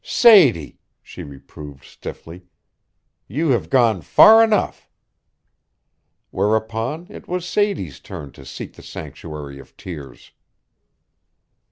"Sadie," she reproved stiffly, "you have gone far enough." Whereupon it was Sadie's turn to seek the sanctuary of tears.